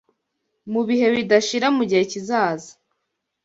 mu bihe bidashira mu gihe kizaza,